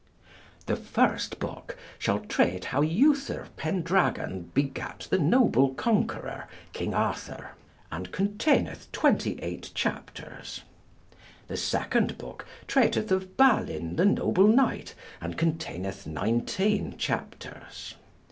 The first book shall treat how Uther Pendragon begat the noble conqueror, King Arthur, and containeth 28 chapters. The second book treateth of Balyn the noble knight, and containeth 19 chapters.